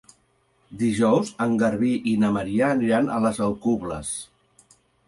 Dijous en Garbí i na Maria aniran a les Alcubles.